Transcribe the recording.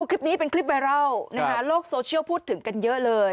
คลิปนี้เป็นคลิปไวรัลโลกโซเชียลพูดถึงกันเยอะเลย